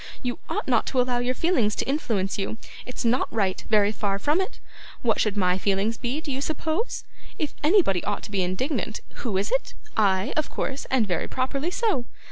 You ought not to allow your feelings to influence you; it's not right, very far from it. What should my feelings be, do you suppose? If anybody ought to be indignant, who is it? I, of course, and very properly so.